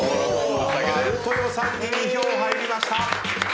「丸豊」さんに２票入りました。